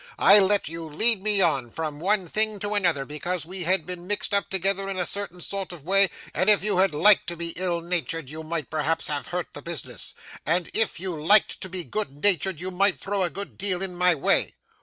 I let you lead me on, from one thing to another, because we had been mixed up together in a certain sort of a way, and if you had liked to be ill natured you might perhaps have hurt the business, and if you liked to be good natured you might throw a good deal in my way.